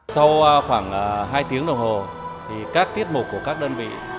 sau khoảng hai tiếng đồng hồ các tiết mục của các đơn vị